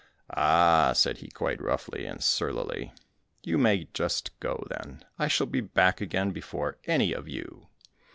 "Ah," said he quite roughly and surlily, "you may just go, then; I shall be back again before any of you."